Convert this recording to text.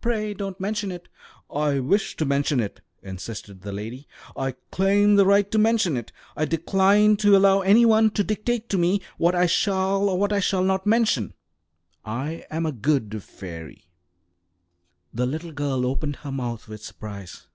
"Pray don't mention it." "I wish to mention it," insisted the lady. "I claim the right to mention it. I decline to allow any one to dictate to me what I shall or what I shall not mention. I am a good fairy." The little girl opened her mouth with surprise.